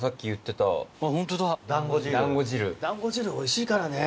だんご汁おいしいからね。